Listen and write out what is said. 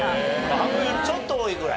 半分ちょっと多いぐらい。